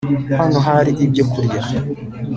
hano hari ibyo kurya